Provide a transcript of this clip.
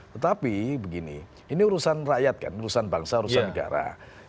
tetapi begini ini urusan rakyat kan urusan bangsa urusan negara